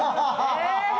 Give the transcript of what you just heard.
え。